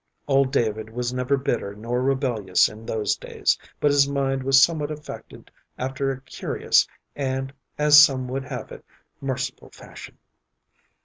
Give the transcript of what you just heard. Old David was never bitter nor rebellious in those days, but his mind was somewhat affected after a curious and, as some would have it, merciful fashion.